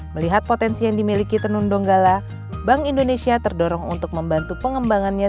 melihat potensi yang dimiliki tenun donggala bank indonesia terdorong untuk membantu pengembangannya